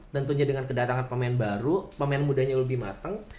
tentunya dengan kedatangan pemain baru pemain mudanya lebih matang